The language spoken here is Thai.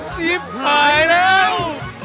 ซิฟหายแล้ว